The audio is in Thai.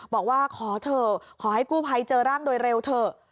บอกว่าขอเถอะขอให้กู้ภัยเจอร่างโดยเร็วเถอะ